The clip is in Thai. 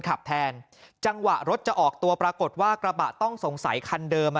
ขับแทนจังหวะรถจะออกตัวปรากฏว่ากระบะต้องสงสัยคันเดิม